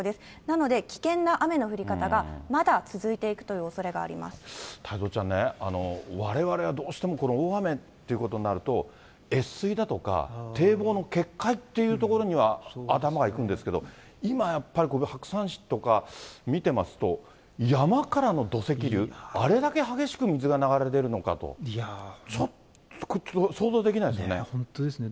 なので、危険な雨の降り方がまだ続いていくというおそれがありま太蔵ちゃんね、われわれはどうしてもこの大雨っていうことになると、越水だとか、堤防の決壊っていうところには頭がいくんですけれども、今やっぱり、こういう白山市とか見てますと、山からの土石流、あれだけ激しく水が流れ出るのかと、本当ですね、